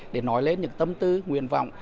để nói lên những tâm tư nguyện vọng